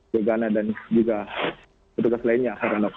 gagana dan juga petugas lainnya